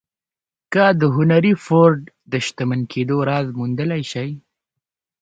که د هنري فورډ د شتمن کېدو راز موندلای شئ.